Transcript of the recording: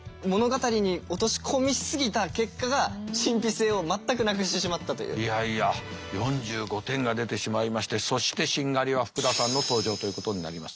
それを僕なりに解釈していやいや４５点が出てしまいましてそしてしんがりは福田さんの登場ということになります。